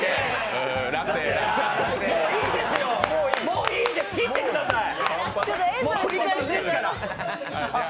もういいです、切ってください。